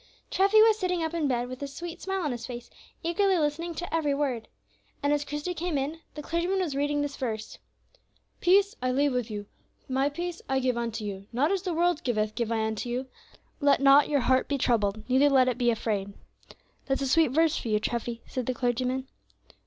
Treffy was sitting up in bed, with a sweet smile on his face, eagerly listening to every word. And, as Christie came in, the clergyman was reading this verse: "Peace I leave with you, my peace I give unto you; not as the world giveth, give I unto you. Let not your heart be troubled, neither let it be afraid." "That's a sweet verse for you, Treffy," said the clergyman.